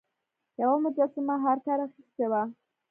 یوه مجسمه هارکر اخیستې وه.